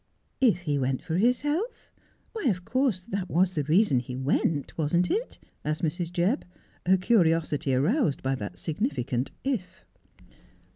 ' If he went for his health — why, of course that was the reason he went, wasn't it ?' asked Mrs. Jebb, her curiosity aroused by that significant ' if.'